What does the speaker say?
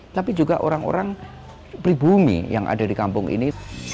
tapi juga orang orang pribumi yang ada di kampung ini